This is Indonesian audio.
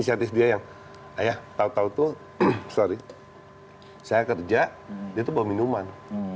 syafiq biaya ayah tau tau tuh sorry saya kerja dia tuh bawa minuman